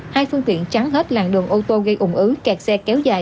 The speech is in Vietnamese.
hai phương tiện trắng hết làng đường ô tô gây ủng ứ kẹt xe kéo dài